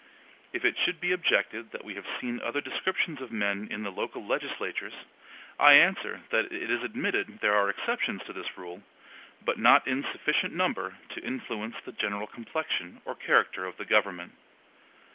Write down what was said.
If it should be objected that we have seen other descriptions of men in the local legislatures, I answer that it is admitted there are exceptions to the rule, but not in sufficient number to influence the general complexion or character of the government.